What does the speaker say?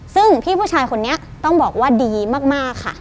ซึ่งพี่ผู้ชายคนนี้ต้องบอกว่าดีมากค่ะ